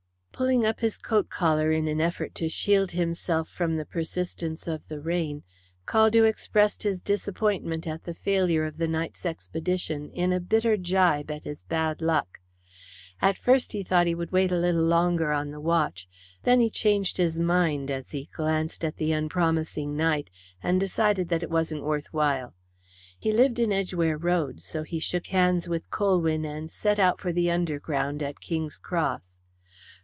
Pulling up his coat collar in an effort to shield himself from the persistence of the rain, Caldew expressed his disappointment at the failure of the night's expedition in a bitter jibe at his bad luck. At first he thought he would wait a little longer on the watch, then he changed his mind as he glanced at the unpromising night, and decided that it wasn't worth while. He lived in Edgeware Road, so he shook hands with Colwyn and set out for the Underground at King's Cross.